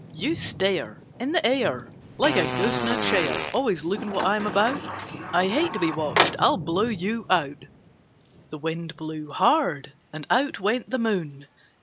You stare In the air Like a ghost in a chair, Always looking what I am about; I hate to be watched I'll blow you out." The Wind blew hard, and out went the Moon.